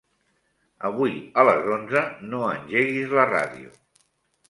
Avui a les onze no engeguis la ràdio.